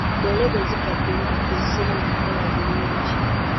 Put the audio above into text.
Loore bwe zikaddiwa tezisobola kukola bulungi.